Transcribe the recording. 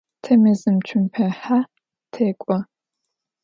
Te mezım tsumpahe tek'o.